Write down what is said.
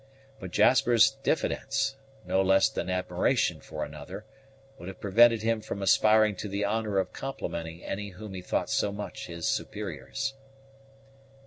But Jasper's diffidence, no less than admiration for another, would have prevented him from aspiring to the honor of complimenting any whom he thought so much his superiors.